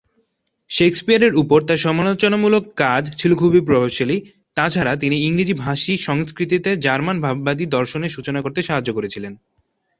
শেক্সপিয়ারের উপর তার সমালোচনামূলক কাজ ছিলো খুবই প্রভাবশালী, তাছাড়া তিনি ইংরেজি ভাষী সংস্কৃতিতে জার্মান ভাববাদী দর্শনের সূচনা করতে সাহায্য করেছিলেন।